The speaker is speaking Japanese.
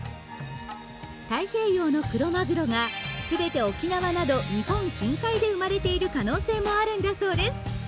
太平洋のクロマグロがすべて沖縄など日本近海で生まれている可能性もあるんだそうです。